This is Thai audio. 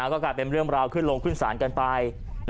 ก็กลายเป็นเรื่องราวขึ้นลงขึ้นศาลกันไป